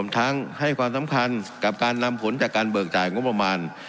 ทั้งให้ความสำคัญกับการนำผลจากการเบิกจ่ายงบประมาณ